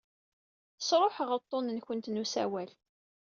Sṛuḥeɣ uḍḍun-nwent n usawal.